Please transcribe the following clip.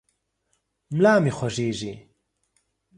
ملا مې خوږېږي.